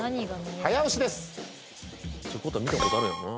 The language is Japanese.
早押しです。ってことは見たことあるやんな。